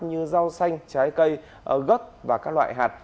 như rau xanh trái cây gốc và các loại hạt